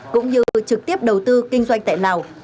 cũng như trực tiếp đầu tư kinh doanh tại lào